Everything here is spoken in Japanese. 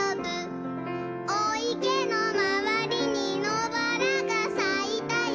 「おいけのまわりにのばらがさいたよ」